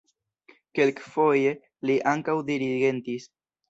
Kelkfoje li ankaŭ dirigentis.